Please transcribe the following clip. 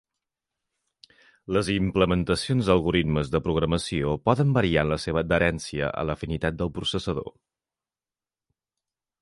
Les implementacions d'algoritmes de programació poden variar en la seva adherència a l'afinitat del processador.